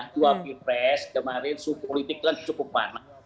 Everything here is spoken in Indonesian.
dua pilpres kemarin suku politik kan cukup panah